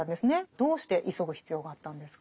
どうして急ぐ必要があったんですか？